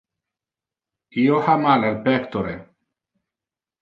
Io ha mal al pectore.